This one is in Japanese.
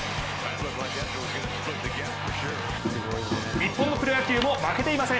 日本のプロ野球も負けていません。